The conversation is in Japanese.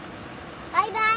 バイバイ。